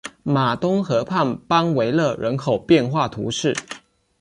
马东河畔班维勒人口变化图示